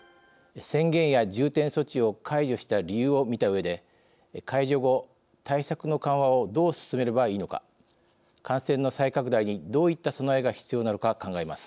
宣言や重点措置を解除した理由を見たうえで解除後、対策の緩和をどう進めればいいのか感染の再拡大にどういった備えが必要なのか考えます。